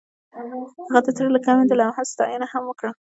هغې د زړه له کومې د لمحه ستاینه هم وکړه.